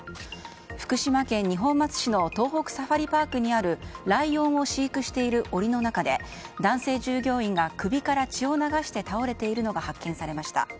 福島県二本松市の東北サファリパークにあるライオンを飼育している檻の中で男性従業員が首から血を流して倒れているのが発見されました。